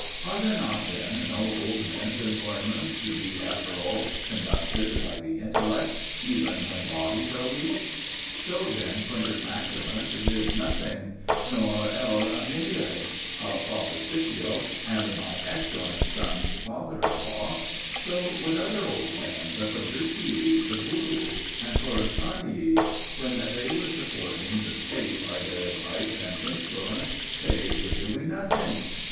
Are there then no old men's employments to be after all conducted by the intellect, even when bodies are weak? So then Q. Maximus did nothing; nor L. Aemilius our father, Scipio, and my excellent son's father in law! So with other old men the Fabricii, the Guru and Coruncanii when they were supporting the State by their advice and influence, they were doing nothing!